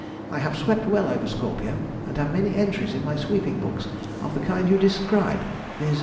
I have swept well over Scorpio, and have many entries in my sweeping books of the kind you describe, viz.